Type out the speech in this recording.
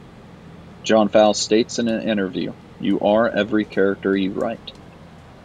John Fowles states in an interview: You are every character you write.